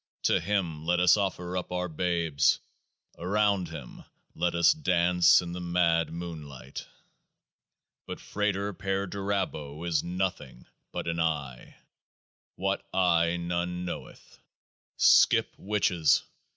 To Him let us offer up our babes ! Around Him let us dance in the mad moonlight ! But FRATER PERDURABO is nothing but AN EYE ; what eye none knoweth. Skip, witches